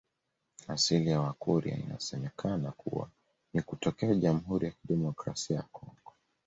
Asili ya Wakurya inasemekana kuwa ni kutokea Jamhuri ya Kidemokrasia ya Kongo